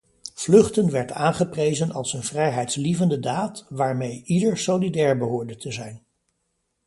Vluchten werd aangeprezen als een vrijheidslievende daad, waarmee ieder solidair behoorde te zijn.